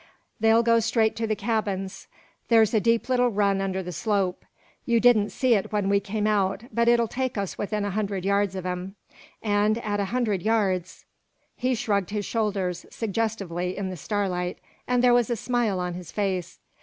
They'll go straight to the cabins. There's a deep little run under the slope. You didn't see it when we came out, but it'll take us within a hunderd yards of 'em. An' at a hunderd yards " He shrugged his shoulders suggestively in the starlight, and there was a smile on his face.